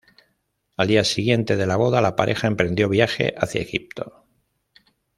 Al día siguiente de la boda la pareja emprendió viaje hacia Egipto.